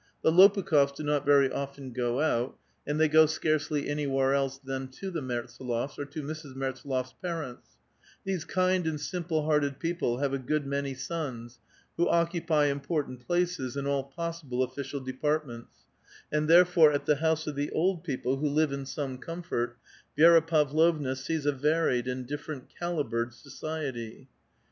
The Lopukh6fs do not very often go out, and they go scarcely anywhere else than to the JMertsdlofs', or to JMrs. Mertsdlova's parents' ; these kind and simple hearted people have a good many sons, who occupy important places in all possible official depaiii ments ; and therefore at the house of the old people, who live in some comfort, Vi6ra Pavlovna sees a varied and different calibered society.